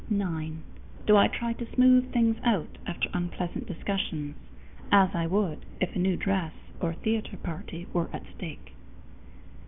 _9. Do I try to smooth things out after unpleasant discussions as I would if a new dress or theatre party were at stake?